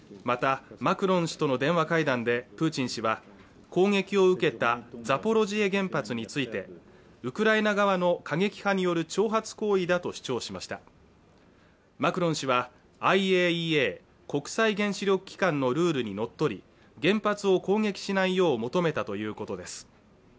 またマクロン氏との電話会談でプーチン氏は攻撃を受けたザポロジエ原発についてウクライナ側の過激派による挑発行為だと主張しましたマクロン氏はＩＡＥＡ＝国際原子力機関のルールにのっとり原発を攻撃しないよう求めたということです